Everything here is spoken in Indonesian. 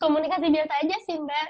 komunikasi delta aja sih mbak